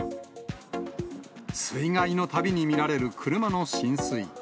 水害のたびに見られる車の浸水。